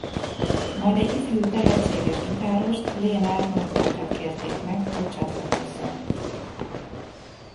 Majd egy ifjú tehetséges gitárost Lénárd Norbertet kérték meg hogy csatlakozzon.